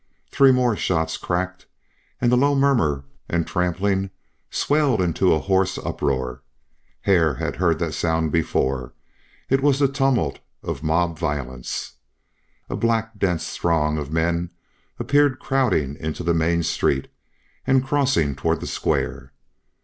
Three more shots cracked, and the low murmur and trampling swelled into a hoarse uproar. Hare had heard that sound before; it was the tumult of mob violence. A black dense throng of men appeared crowding into the main street, and crossing toward the square.